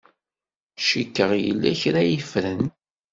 Cikkeɣ yella kra ay ffren.